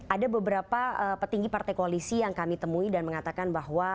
ada beberapa petinggi partai koalisi yang kami temui dan mengatakan bahwa